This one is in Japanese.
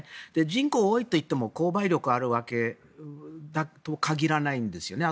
人口が多いといっても購買力があるとは限らないんですよね。